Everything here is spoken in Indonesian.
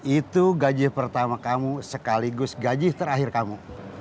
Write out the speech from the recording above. itu gaji pertama kamu sekaligus gaji terakhir kamu